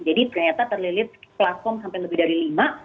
jadi ternyata terlilit platform sampai lebih dari lima